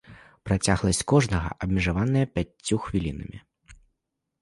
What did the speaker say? Працягласць кожнага абмежаваная пяццю хвілінамі.